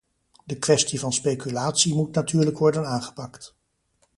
De kwestie van speculatie moet natuurlijk worden aangepakt.